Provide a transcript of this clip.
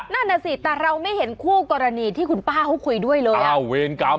นั่นน่ะสิแต่เราไม่เห็นคู่กรณีที่คุณป้าเขาคุยด้วยเลย